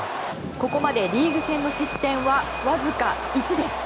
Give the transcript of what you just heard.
ここまでリーグ戦の失点はわずか１です。